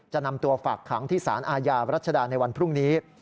จะนำตัวฝากขังที่สารอาญารัชดาในวันพรุ่งนี้